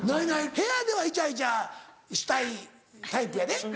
部屋ではイチャイチャしたいタイプやで。